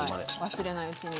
忘れないうちに。